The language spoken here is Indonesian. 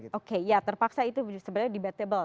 tidak terpaksa itu sebenarnya debatable